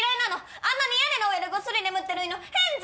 あんなに屋根の上でぐっすり眠ってる犬変じゃん。